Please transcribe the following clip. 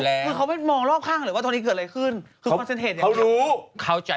คือเขาไม่มองรอบข้างเลยว่าตอนนี้เกิดอะไรขึ้นคือคอนเซ็นเทศอย่างนั้น